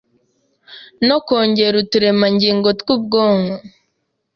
no kongera uturemangingo tw’ubwonko